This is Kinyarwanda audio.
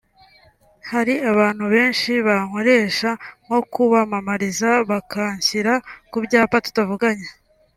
hari abantu benshi bankoresha nko kubamamariza bakanshyira ku byapa tutavuganye